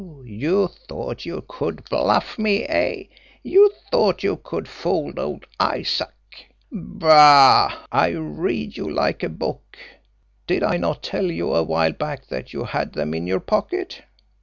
You thought you could bluff me, eh you thought you could fool old Isaac! Bah! I read you like a book! Did I not tell you a while back that you had them in your pocket?